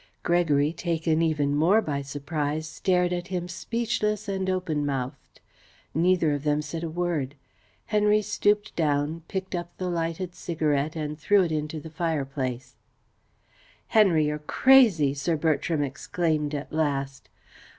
Gregory, taken even more by surprise, stared at him, speechless and open mouthed. Neither of them said a word. Henry stooped down, picked up the lighted cigarette, and threw it into the fireplace. "Henry, you're crazy!" Sir Bertram exclaimed at last.